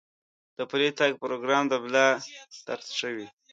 د پلي تګ پروګرام د ملا درد ښه کوي.